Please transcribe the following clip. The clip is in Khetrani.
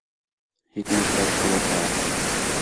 ہِک نِکڑا چھور ہا